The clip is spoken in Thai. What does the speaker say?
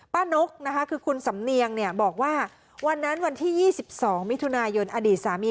นกนะคะคือคุณสำเนียงบอกว่าวันนั้นวันที่๒๒มิถุนายนอดีตสามี